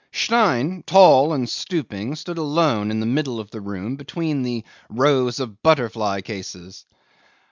'Stein, tall and stooping, stood alone in the middle of the room between the rows of butterfly cases.